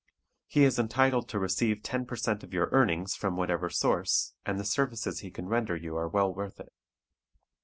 He is entitled to receive ten percent of your earnings from whatever source, and the services he can render you are well worth it.